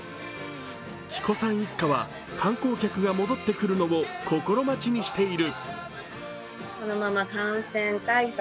喜古さん一家は観光客が戻ってくるのを心待ちにしている。